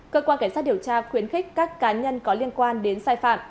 cơ quan cảnh sát điều tra khuyến khích các cá nhân có liên quan đến sai phạm